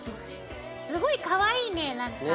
すごいかわいいねなんか。